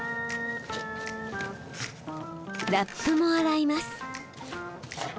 ラップも洗います。